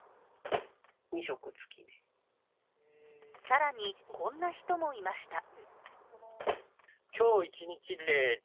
更にこんな人もいました。